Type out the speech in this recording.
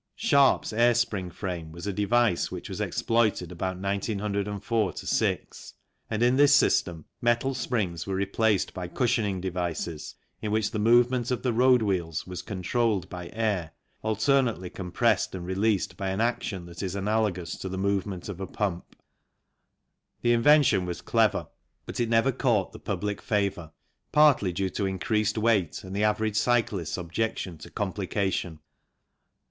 Sharp's air spring frame was a device which was exploited about 1904 6, and in this system metal springs were replaced by cushioning devices in which the movement of the road wheels was controlled by air alternately compressed and released by an action that is analagous to the movement of a pump. The invention was clever but it never caught the public favour, partly 64 SPRING FRAMES 65 due to increased weight and the average cyclist's objection to complication.